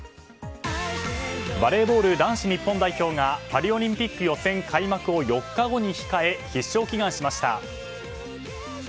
バレーボール男子日本代表がパリオリンピック予選開幕を４日後に控え、必勝祈願しました。